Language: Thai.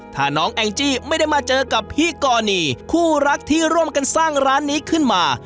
ถ้าน้องแองจี้ไม่ได้มาเจอกับพี่กรณีคู่รักที่ร่วมกันสร้างร้านนี้ขึ้นมา